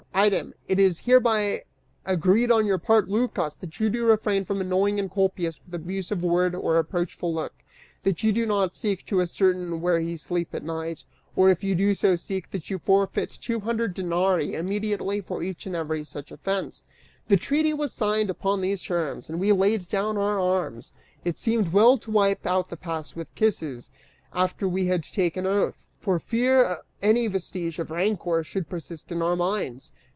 Item, it is hereby agreed on your part, Lycas, that you do refrain from annoying Encolpius with abusive word or reproachful look; that you do not seek to ascertain where he sleep at night; or, if you do so seek, that you forfeit two hundred denarii immediately for each and every such offense." The treaty was signed upon these terms, and we laid down our arms. It seemed well to wipe out the past with kisses, after we had taken oath, for fear any vestige of rancor should persist in our minds.